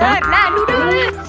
udah udah udah